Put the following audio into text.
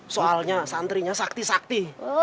soalnya santrinya sakti sakti